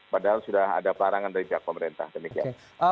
padahal sudah ada pelarangan dari pihak pemerintah demikian